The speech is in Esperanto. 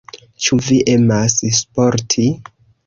Ĉu vi emas sporti?